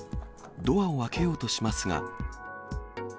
ドアを開けようとしますが。